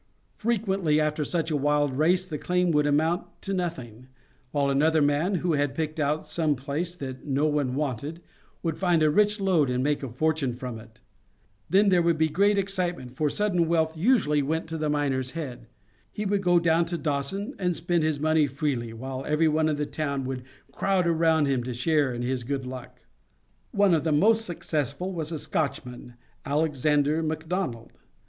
Frequently after such a wild race the claim would amount to nothing, while another man, who had picked out some place that no one wanted, would find a rich lode and make a fortune from it. Then there would be great excitement, for sudden wealth usually went to the miner's head. He would go down to Dawson, and spend his money freely, while every one in the town would crowd around him to share in his good luck. One of the most successful was a Scotchman, Alexander McDonald.